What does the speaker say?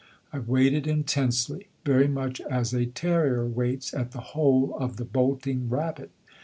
I waited intensely, very much as a terrier waits at the hole of the bolting rabbit.